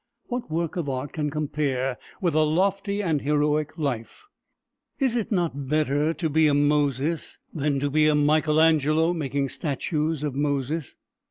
What work of art can compare with a lofty and heroic life? Is it not better to be a Moses than to be a Michael Angelo making statues of Moses?